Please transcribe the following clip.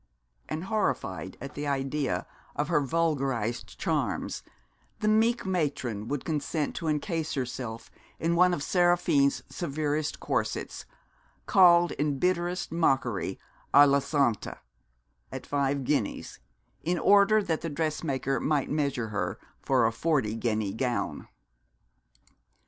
And horrified at the idea of her vulgarised charms the meek matron would consent to encase herself in one of Seraphine's severest corsets, called in bitterest mockery à la santé at five guineas in order that the dressmaker might measure her for a forty guinea gown.